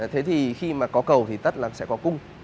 thế thì khi mà có cầu thì tất là sẽ có cung